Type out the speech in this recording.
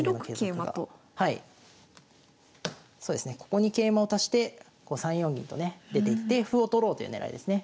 ここに桂馬を足して３四銀とね出ていって歩を取ろうという狙いですね。